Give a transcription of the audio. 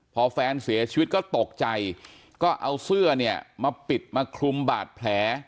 พอแฟนเสียชีวิตก็ตกใจก็เอาเสื้อเนี่ยมาปิดมาคลุมบาดแผล